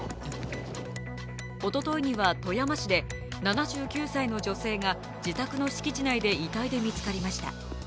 おとといには富山市で７９歳の女性が自宅の敷地内で遺体で見つかりました。